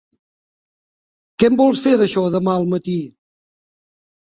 Què en vols fer d'això demà al matí?